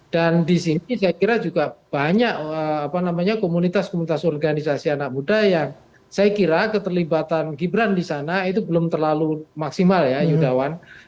dan di sini saya kira juga banyak komunitas komunitas organisasi anak muda yang saya kira keterlibatan gibran di sana itu belum terlalu maksimal ya yudawan